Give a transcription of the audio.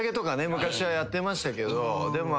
昔はやってましたけど。